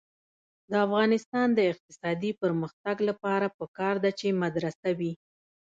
د افغانستان د اقتصادي پرمختګ لپاره پکار ده چې مدرسه وي.